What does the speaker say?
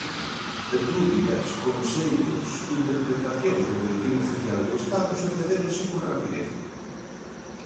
Dúbidas, consellos, interpretacións do Boletín Oficial do Estado sucedéronse con rapidez.